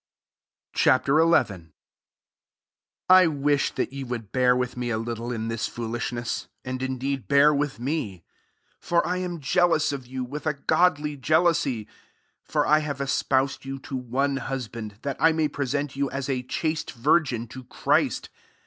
Ch. XL 1 I WISH that ye would bear with me a little in this foolishness : and indeed bear with me. 2 For I am jea lous of you, with a godly jea . lousy : for I have espoused you to one husband, that 1 may pre sent you, 08 a chaste virgin, to Christ.